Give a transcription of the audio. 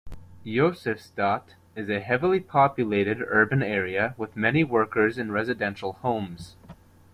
Josefstadt is a heavily populated urban area with many workers and residential homes.